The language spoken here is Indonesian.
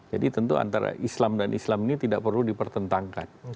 jadi tentu antara islam dan islam ini tidak perlu dipertentangkan